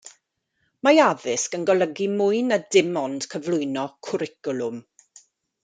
Mae addysg yn golygu mwy na dim ond cyflwyno cwricwlwm.